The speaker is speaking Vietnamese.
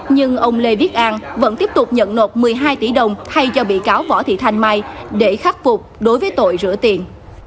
nhưng ông lê viết an vẫn tiếp tục nhận nộp một mươi hai tỷ đồng thay cho bị cáo võ thị thanh mai để khắc phục đối với tội rửa tiền